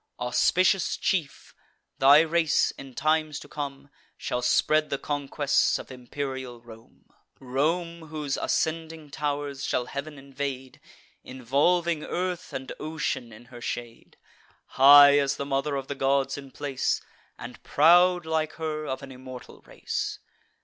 Auspicious chief! thy race, in times to come, Shall spread the conquests of imperial Rome. Rome, whose ascending tow'rs shall heav'n invade, Involving earth and ocean in her shade; High as the Mother of the Gods in place, And proud, like her, of an immortal race.